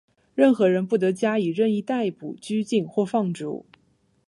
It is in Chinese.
任何人不得加以任意逮捕、拘禁或放逐。